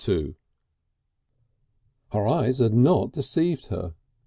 IV Her eyes had not deceived her.